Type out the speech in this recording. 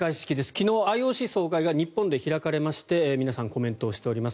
昨日、ＩＯＣ総会が日本で開かれまして皆さん、コメントしております。